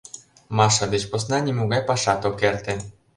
Маша деч посна нимогай пашат ок эрте.